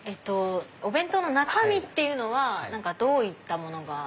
お弁当の中身っていうのはどういったものが。